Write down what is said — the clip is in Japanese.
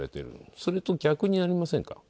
それと逆になりませんか？